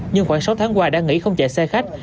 nhưng khoảng sáu tháng qua đã nghỉ không chạy xe khách